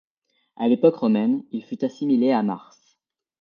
À l'époque romaine, il fut assimilé à Mars.